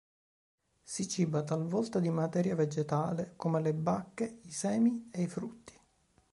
Si ciba talvolta di materia vegetale come le bacche, i semi e i frutti.